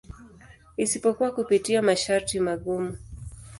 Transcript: Isipokuwa kupitia masharti magumu.